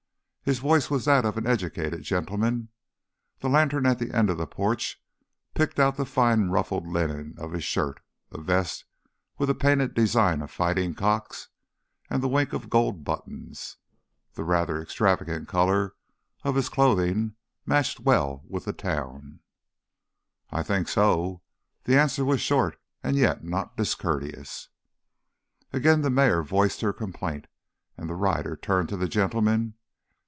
His voice was that of an educated gentleman. The lantern at the end of the porch picked out the fine ruffled linen of his shirt, a vest with a painted design of fighting cocks, and the wink of gold buttons. The rather extravagant color of his clothing matched well with the town. "I think so." The answer was short and yet not discourteous. Again the mare voiced her complaint, and the rider turned to the gentleman.